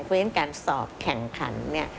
เพราะฉะนั้นการสอบแข่งขัน